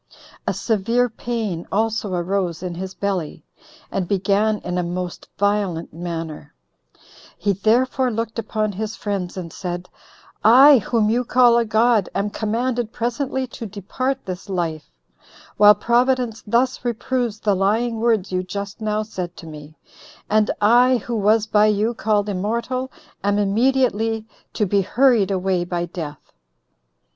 A severe pain also arose in his belly, and began in a most violent manner. He therefore looked upon his friends, and said, "I, whom you call a god, am commanded presently to depart this life; while Providence thus reproves the lying words you just now said to me; and I, who was by you called immortal, am immediately to be hurried away by death.